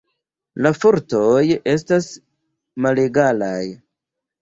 La fortoj estas malegalaj.